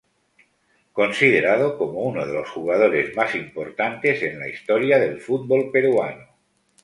Considerado como uno de los jugadores más importantes en la historia del fútbol peruano.